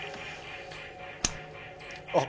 あっ！？